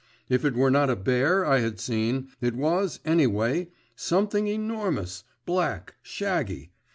If it were not a bear I had seen, it was, any way, something enormous, black shaggy.